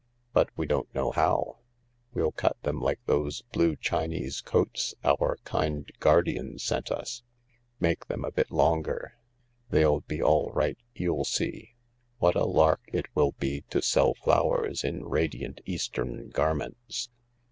"But we don't know how." " We'll cut them like those blue Chinese coats our kind guardian sent us— make them a bit longer. They'll be all right, you'll see. What a lark it will be to sell flowers in radiant Eastern garments!